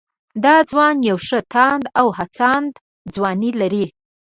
دا ځوان يوه ښه تانده او هڅانده ځواني لري